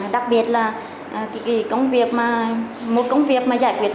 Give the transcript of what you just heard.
đặc biệt là một công việc mà giải quyết mãi không xong đặc biệt là công tác lưu trữ